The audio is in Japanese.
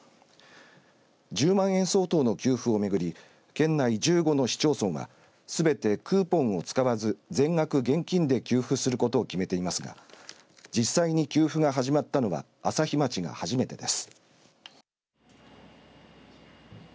１０万円相当の給付をめぐり県内１５の市町村はすべてクーポンを使わず全額現金で給付することを決めていますが実際に給付が始まったのは朝日町が初めてです。